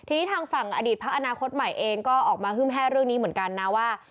ทีนี้ทางฝั่งอดีตพักอนาคตใหม่เองก็ออกมาฮึ้มแห้เรื่องนี้เหมือนกันนะว่า